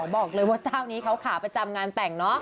บอกเลยว่าเจ้านี้เขาขาประจำงานแต่งเนอะ